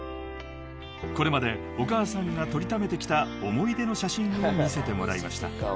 ［これまでお母さんが撮りためてきた思い出の写真を見せてもらいました］